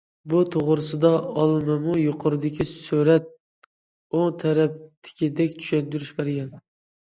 بۇ توغرىسىدا ئالمىمۇ يۇقىرىدىكى سۈرەت ئوڭ تەرەپتىكىدەك چۈشەندۈرۈش بەرگەن.